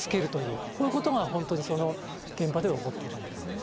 こういうことが本当に現場では起こっているんですね。